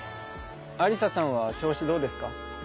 亜里沙さんは調子どうですか？